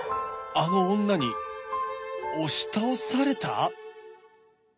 あの女に押し倒された？